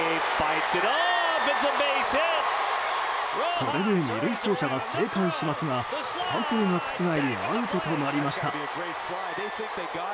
これで２塁走者が生還しますが判定が覆りアウトとなりました。